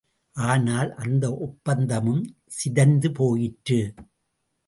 ஆனால், அந்த ஒப்பந்தமும் சிதைந்து போயிற்று.